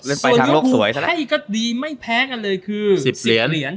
เล่นไปทั้งโลกสวยใช่ไหมส่วนเรือผูให้ก็ดีไม่แพ้กันเลยคือ๑๐เหรียญ